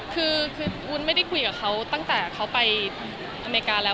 คือวุ้นไม่ได้คุยกับเขาตั้งแต่เขาไปอเมริกาแล้ว